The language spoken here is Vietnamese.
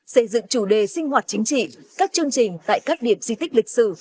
xây dựng chủ đề sinh hoạt chính trị các chương trình tại các điểm di tích lịch sử